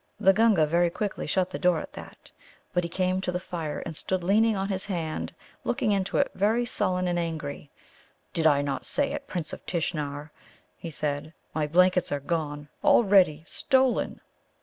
The Gunga very quickly shut the door at that. But he came to the fire and stood leaning on his hand, looking into it, very sullen and angry. "Did I not say it, Prince of Tishnar?" he said. "My blankets are gone already. Stolen!"